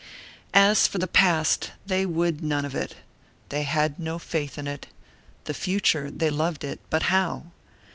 As for the past, they would none of it, they had no faith in it; the future, they loved it, but how?